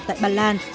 tại ba lan